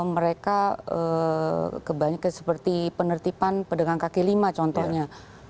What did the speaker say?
mereka kebanyakan seperti penertiban pedagang kaki lima contohnya